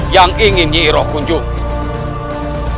yang ingin nyi iroh kunjungi